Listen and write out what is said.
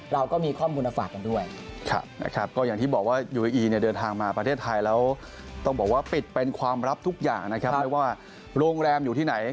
เราก็มีข้อมูลภาพกันด้วย